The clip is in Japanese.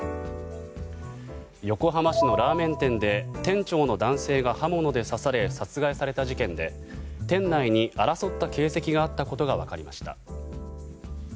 横浜市のラーメン店で店長の男性が刃物で刺され殺害された事件で店内に争った形跡があったことが分かりました。